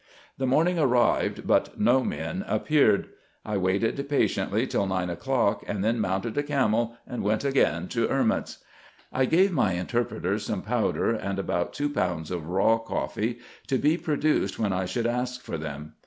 The morning arrived, but no men appeared. I waited patiently till nine o'clock, and then mounted a camel, and went again to Erments. I gave my interpreter some powder, and about two pounds of raw coffee, to be produced when I should ask for them.